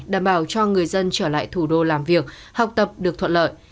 đảm bảo cho người dân trở lại thủ đô làm việc học tập được thuận lợi